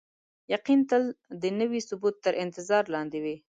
یقین تل د نوي ثبوت تر انتظار لاندې وي.